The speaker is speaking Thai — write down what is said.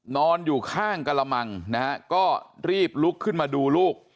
นอนอยู่ข้างกระมังนะฮะก็รีบลุกขึ้นมาดูลูก